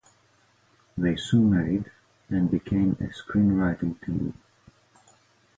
They soon married, and became a screenwriting team.